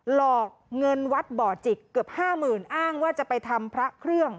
หลอกเงินวัดบ่อจิกเกือบ๕๐๐๐อ้างว่าจะไปทำพระเครื่อง